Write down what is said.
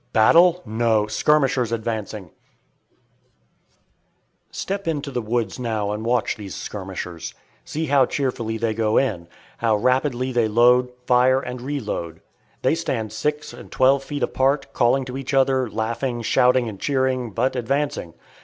Battle? No! skirmishers advancing. [Illustration: GOING IN] Step into the woods now and watch these skirmishers. See how cheerfully they go in. How rapidly they load, fire, and re load. They stand six and twelve feet apart, calling to each other, laughing, shouting and cheering, but advancing.